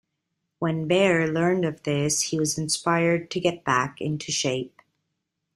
When Baer learned of this, he was inspired to get back into shape.